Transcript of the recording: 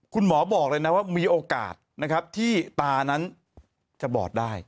คุณหมอบอกเลยนะว่ามีโอกาสนะครับที่ตานั้นจะบอดได้